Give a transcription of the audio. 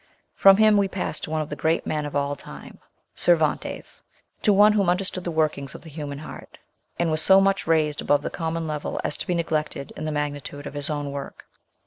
From him we pass to one of the great men of all time, Cervantes, to one who under stood the workings of the human heart, and was so much raised above the common level as to be neglected in the magnitude of his own work.